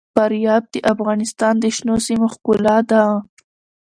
فاریاب د افغانستان د شنو سیمو ښکلا ده.